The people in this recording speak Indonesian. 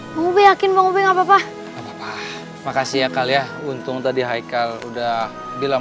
mau be yakin mau be nggak papa makasih ya kali ya untung tadi haikal udah bilang